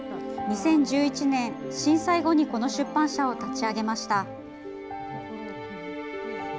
２０１１年、震災後にこの出版社を立ち上げました。